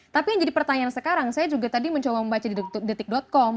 tapi yang jadi pertanyaan sekarang saya juga tadi mencoba membaca di detik com